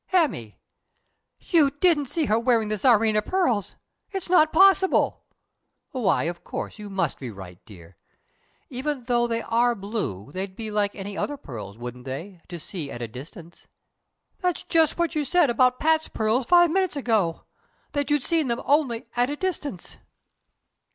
"Emmy! You didn't see her wearing the Tsarina pearls? It's not possible." "Why, of course you must be right, dear. Even though they are blue, they'd be like any other pearls, wouldn't they, to see at a distance." "That's just what you said about Pat's pearls five minutes ago: that you'd seen them only 'at a distance.'"